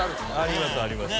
ありますあります